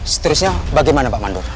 seterusnya bagaimana pak mandor